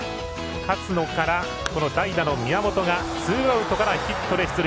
勝野から、代打の宮本がツーアウトからヒットで出塁。